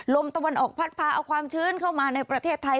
ลมตะวันออกพัดพาเอาความชื้นเข้ามาในประเทศไทย